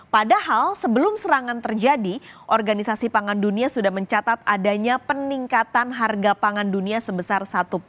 padahal sebelum serangan terjadi organisasi pangan dunia sudah mencatat adanya peningkatan harga pangan dunia sebesar satu lima